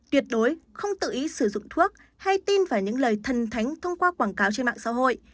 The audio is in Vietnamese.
tuyệt đối không tự ý sử dụng thuốc hay tin vào những lời thần thánh thông qua quảng cáo trên mạng xã hội